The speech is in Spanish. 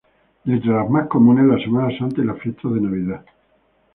De entre las más comunes, la semana santa y las fiestas de Navidad.